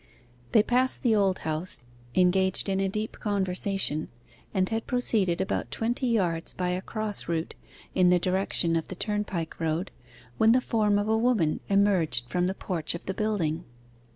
They passed the Old House, engaged in a deep conversation, and had proceeded about twenty yards by a cross route, in the direction of the turnpike road, when the form of a woman emerged from the porch of the building.